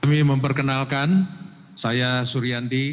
kami memperkenalkan saya suryandi